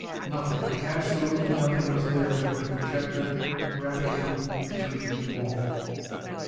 Nothing, absolutely nothing, was there between projector and rapidly retreating wall!